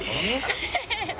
ハハハハ！